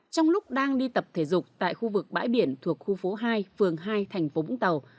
trong lúc đang đi tập thể dục tại khu vực bãi biển thuộc khu phố hai phường hai thành phố vũng tàu